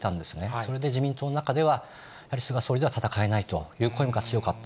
それで自民党の中では、やっぱり菅総理では戦えないといった声が強かった。